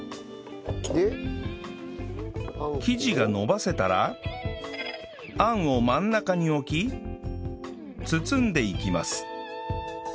生地がのばせたらあんを真ん中に置き包んでいきます